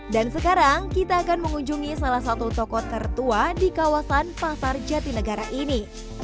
dan sekarang kita akan mengunjungi salah satu toko tertua di kawasan pasar jatinegara ini